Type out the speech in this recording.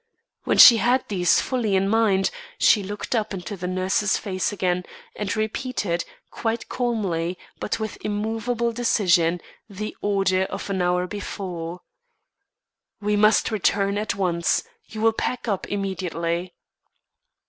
When she had these fully in mind, she looked up into the nurse's face again and repeated, quite calmly, but with immovable decision, the order of an hour before: "We must return at once. You will pack up immediately."